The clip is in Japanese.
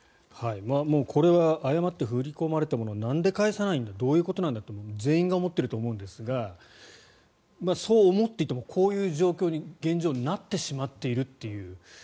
もうこれは誤って振り込まれたものをなんで返さないんだどういうことだと全員が思っていると思うんですがそう思っていてもこういう状況に現状なってしまっているという。